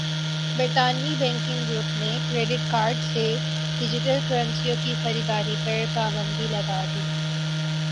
برطانوی banking group نے credit card سے ڈیجیٹل کرنسیوں کی خریداری پرپابندی لگادی